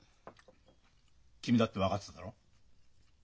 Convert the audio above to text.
君だって分かってただろ？